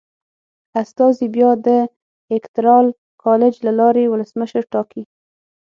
استازي بیا د الېکترال کالج له لارې ولسمشر ټاکي.